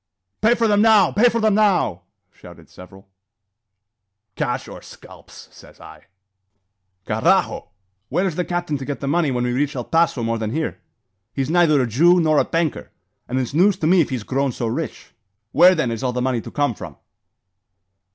"Pay for them now! Pay for them now!" shouted several. "Cash or scalps, says I." "Carrajo! where is the captain to get the money when we reach El Paso more than here? He's neither a Jew nor a banker; and it's news to me if he's grown so rich. Where, then, is all the money to some from?"